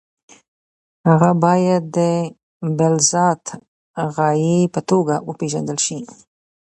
هغه باید د بالذات غایې په توګه وپېژندل شي.